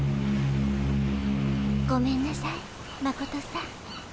ごめんなさいマコトさん。